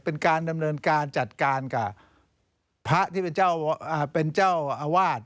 เป็นการดำเนินการจัดการกับพระที่เป็นเจ้าอาวาส